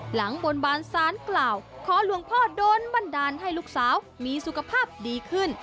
บนบานสารกล่าวขอหลวงพ่อโดนบันดาลให้ลูกสาวมีสุขภาพดีขึ้น